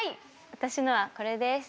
私のはこれです。